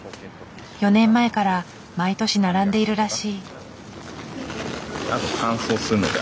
４年前から毎年並んでいるらしい。